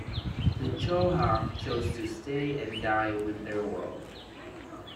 The Cho'ja chose to stay and die with their world.